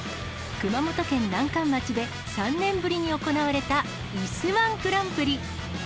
熊本県南関町で３年ぶりに行われたいすー１グランプリ。